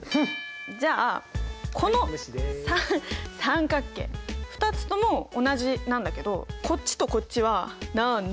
じゃあこの三角形２つとも同じなんだけどこっちとこっちはなんだ？